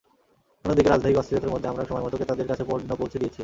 অন্যদিকে রাজনৈতিক অস্থিরতার মধ্যে আমরা সময়মতো ক্রেতাদের কাছে পণ্য পৌঁছে দিয়েছি।